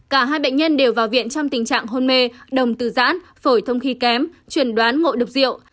cả hai bệnh nhân đều vào viện trong tình trạng hôn mê đồng tử giãn phổi thông khi kém chuyển đoán ngộ độc diệu